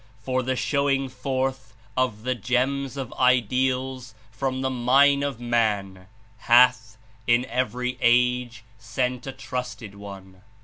— for the showing forth of the gems of ideals from the mine of man, hath, in every age, sent a trusted one.